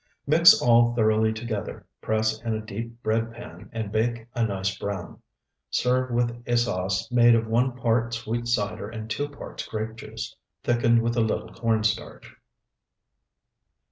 Mix all thoroughly together, press in a deep bread pan, and bake a nice brown. Serve with a sauce made of one part sweet cider and two parts grape juice, thickened with a little corn starch.